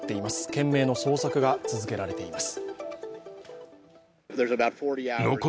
懸命の捜索が続けられています。